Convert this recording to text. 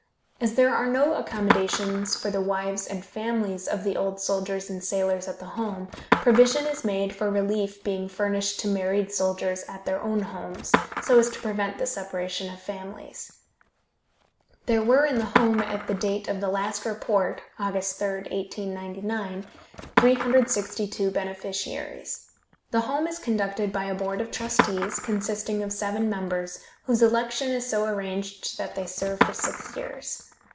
As there are no accommodations for the wives and families of the old soldiers and sailors at the home, provision is made for relief being furnished to married soldiers at their own homes, so as to prevent the separation of families. There were in the home at the date of the last report (August 3, 1899) 362 beneficiaries. The home is conducted by a board of trustees, consisting of seven members, whose election is so arranged that they serve for six years.